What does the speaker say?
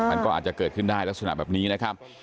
มันก็อาจจะเกิดขึ้นได้ลักษณะแบบนี้นะครับ